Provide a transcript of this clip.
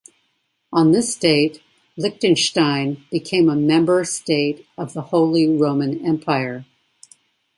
On this date, Liechtenstein became a member state of the Holy Roman Empire.